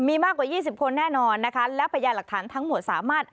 มีมากกว่า๒๐คนแน่นอนนะคะและพยานหลักฐานทั้งหมดสามารถ